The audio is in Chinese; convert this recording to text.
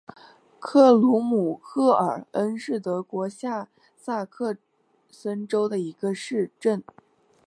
克鲁姆赫尔恩是德国下萨克森州的一个市镇。